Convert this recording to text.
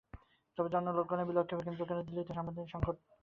তবে জনলোকপাল বিলকে কেন্দ্র করে দিল্লিতে সাংবিধানিক সংকট সৃষ্টি হতে চলেছে।